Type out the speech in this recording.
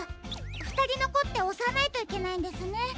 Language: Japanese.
ふたりのこっておさないといけないんですね。